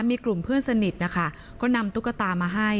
มีกลุ่มเพื่อนสนิทนะคะก็นำตุ๊กตามาให้